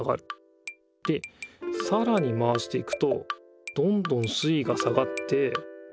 でさらに回していくとどんどん水いが下がって。